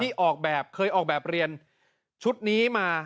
ออกแบบเคยออกแบบเรียนชุดนี้มา